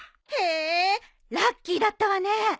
へえラッキーだったわね。